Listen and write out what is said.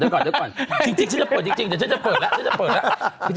จริงฉันจะเปิดแล้ว